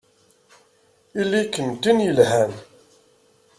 Ili-kem d tin yelhan!